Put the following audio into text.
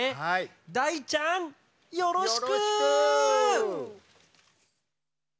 大ちゃん、よろしく！